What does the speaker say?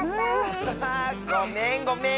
ごめんごめん！